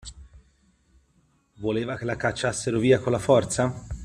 Voleva che la cacciassero via con la forza?